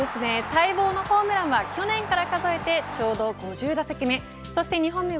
待望のホームランは、去年から数えてちょうど５０打席目。